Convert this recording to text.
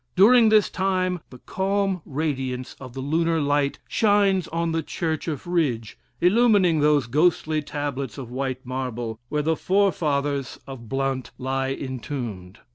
During this time, the calm radiance of the lunar light shines on the church of Ridge, illumining those ghostly tablets of white marble, where the forefathers of Blount lie entombed.